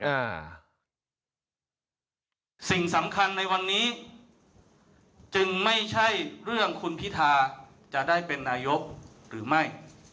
อ่าสิ่งสำคัญในวันนี้จึงไม่ใช่เรื่องคุณพิธาจะได้เป็นนายกหรือไม่